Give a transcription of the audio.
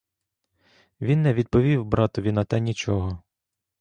Він не відповів братові на те нічого.